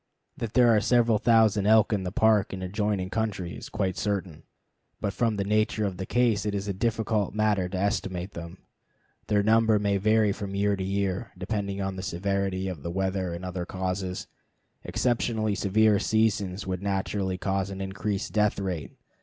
That there are several thousand elk in the Park and adjoining country is quite certain, but from the nature of the case it is a difficult matter to estimate them. Their number may vary from year to year, depending upon the severity of the winter and other causes. Exceptionally severe seasons would naturally cause an increased death rate.